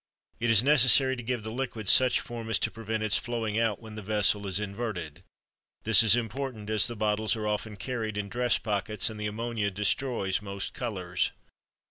It is necessary to give the liquid such form as to prevent its flowing out when the vessel is inverted; this is important, as the bottles are often carried in dress pockets and the ammonia destroys most colors.